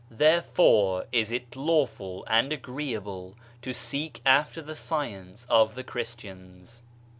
Therefore is it lawful and agreeable to seek after the science of the Christians.